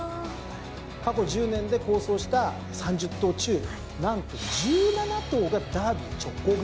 過去１０年で好走した３０頭中何と１７頭がダービー直行組なんです。